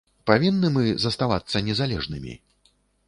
Павінны мы заставацца незалежнымі?